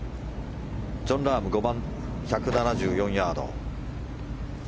ジョン・ラーム５番、１７４ヤード。